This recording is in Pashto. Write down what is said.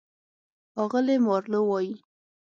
اغلې مارلو وايي: